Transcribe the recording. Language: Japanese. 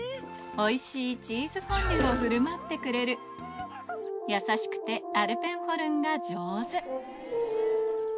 おいしいチーズフォンデュを振る舞ってくれる優しくてアルペンホルンが上手